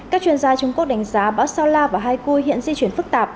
các chuyên gia trung quốc đánh giá bão sao la và hai cui hiện di chuyển phức tạp